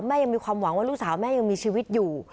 ยังมีความหวังว่าลูกสาวแม่ยังมีชีวิตอยู่